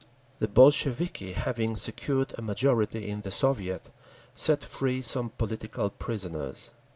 The Bolsheviki, having secured a majority in the Soviet, set free some political prisoners.